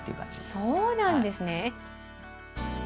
そうなんですね。